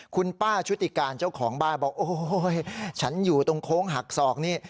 คุณป้าชุติการเจ้าของบ้านบอกโอ้โหฉันอยู่ตรงโค้งหักศอกนี่